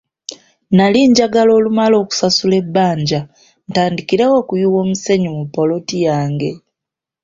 Nali njagala olumala okusasula ebbanja ntandikirewo okuyiwa omusenyu mu ppoloti yange.